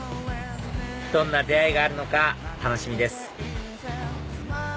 どんな出会いがあるのか楽しみです